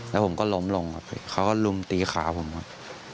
แล้วผมก็ล้มลงครับเขาก็ลุมตีขาผมครับ